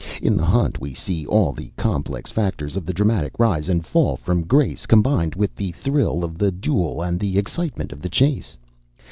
In the Hunt we see all the complex factors of the dramatic rise and fall from grace, combined with the thrill of the duel and the excitement of the chase.